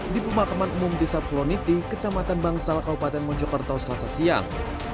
di pemakaman umum desa poloniti kecamatan bangsal kabupaten monjokerto selasa siang